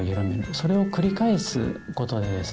それを繰り返すことでですね